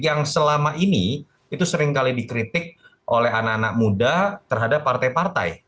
yang selama ini itu seringkali dikritik oleh anak anak muda terhadap partai partai